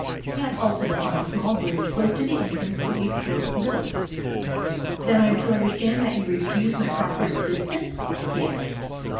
They had halted upon a small bridge close to the entrance to Apethorpe village. "Then I'm to understand that you refuse my proffered assistance?" he asked.